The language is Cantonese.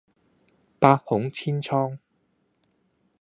百孔千瘡